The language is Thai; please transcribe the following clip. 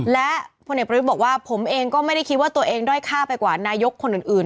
และพลเอกประวิทย์บอกว่าผมเองก็ไม่ได้คิดว่าตัวเองด้อยค่าไปกว่านายกคนอื่น